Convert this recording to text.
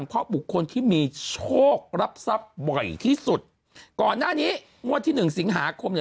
ก็มีอะไรอีกเยอะน่ะ